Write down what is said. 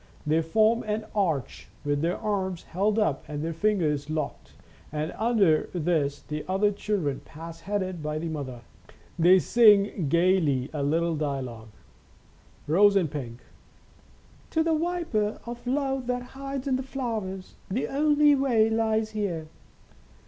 They form an arch with their arms held up and their fingers locked, and under this the other children pass headed by the mother. They sing gaily a little dialogue : Rose and Pink. " To the viper of love that hides in the flowers The only way lies here."